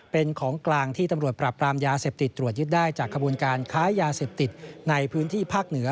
เป็นของกลางที่ตำรวจปรับปรามยาเสพติดตรวจยึดได้จากขบวนการค้ายาเสพติดในพื้นที่ภาคเหนือ